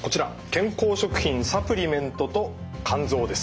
健康食品・サプリメントと肝臓です。